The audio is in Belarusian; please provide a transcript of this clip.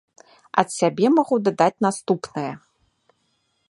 Ад сябе магу дадаць наступнае.